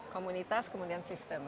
komunitas kemudian sistem